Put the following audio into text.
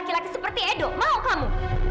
lagi seperti edo mau kamu